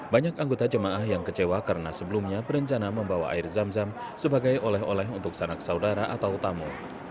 banyak anggota jemaah yang kecewa karena sebelumnya berencana membawa air zam zam sebagai oleh oleh untuk sanak saudara atau tamu